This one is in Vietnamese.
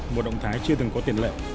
một động thái chưa từng có tiền lệ